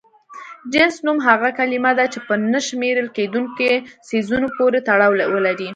جنس نوم هغه کلمه ده چې په نه شمېرل کيدونکو څيزونو پورې تړاو ولري.